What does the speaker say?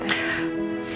terima kasih tante